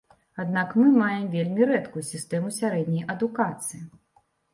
Аднак мы маем вельмі рэдкую сістэму сярэдняй адукацыі.